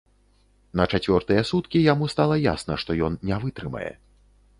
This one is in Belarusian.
На чацвёртыя суткі яму стала ясна, што ён не вытрымае.